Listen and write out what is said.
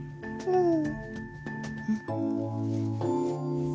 うん。